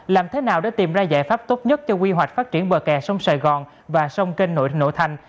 làm thế nào để tìm ra giải pháp tốt nhất cho quy hoạch phát triển bờ kè sông sài gòn và sông kênh nội nội thành